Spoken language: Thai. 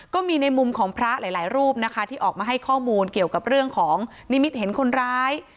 ก็มีในมุมของพระหลายรูปนะคะที่ออกมาให้ข้อมูลเกี่ยวกับเรื่องของนิมิตเห็นคนร้าย